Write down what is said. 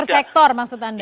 per sektor maksud anda